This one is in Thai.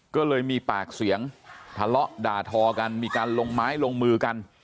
ก็เลยมีปากเสียงทะเลาะด่าทอกันมีการลงไม้ลงมือกัน